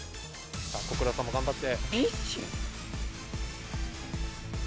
小倉さんも頑張って。